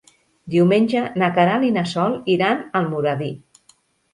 Diumenge na Queralt i na Sol iran a Almoradí.